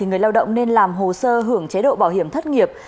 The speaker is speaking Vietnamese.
người lao động nên làm hồ sơ hưởng chế độ bảo hiểm thất nghiệp